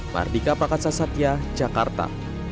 mardika prakasa satya jakarta